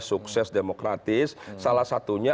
sukses demokratis salah satunya